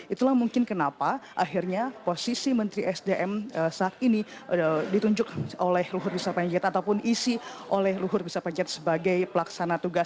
itulah mungkin kenapa akhirnya posisi menteri sdm saat ini ditunjuk oleh luhut bin sarpanjaitan ataupun isi oleh luhut bin sarpanjait sebagai pelaksana tugas